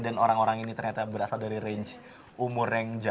dan orang orang ini ternyata berasal dari range umur yang jauh